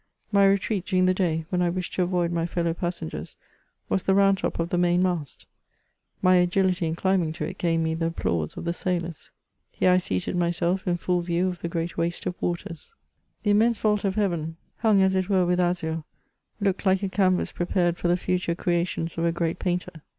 My retreat during the day, when I wished to avoid my fellow passengers, was the round top of the main mast ; my agility in climbing to it gained me the applause of the sailors. Here I seated myself, in 11 view of the great waste of waters. The immense vault of heaven, hung as it were with azure, looked like a canvass prepared for the future creations of a great painter.